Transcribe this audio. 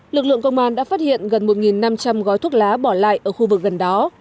lực lượng công an đã phát hiện gần một năm trăm linh gói thuốc lá bỏ lại ở khu vực gần đó